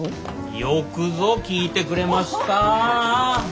よくぞ聞いてくれました！